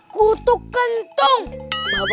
siapa yang mba